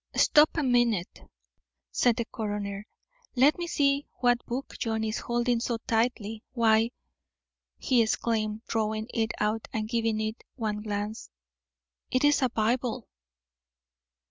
"Stop a minute," said the coroner. "Let me see what book John is holding so tightly. Why," he exclaimed, drawing it out and giving it one glance, "it is a Bible."